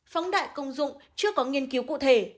phóng đại công dụng chưa có nghiên cứu cụ thể